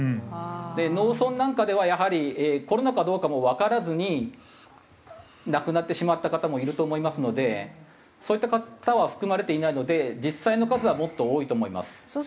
農村なんかではやはりコロナかどうかもわからずに亡くなってしまった方もいると思いますのでそういった方は含まれていないので実際の数はもっと多いと思います。